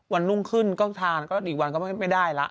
วันรุ่งขึ้นก็ทานก็อีกวันก็ไม่ได้ละ